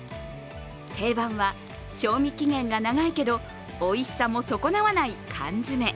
定番は、賞味期限が長いけど、おいしさも損なわない缶詰。